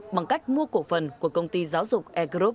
bằng cách mua cổ phần của công ty giáo dục e group